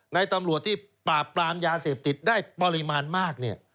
ในตำรวจที่ปราบปรามยาเสพติดได้ปริมาณมากเนี่ย